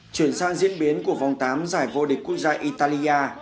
chuyển sang diễn biến của vòng tám giải vô địch quốc gia italia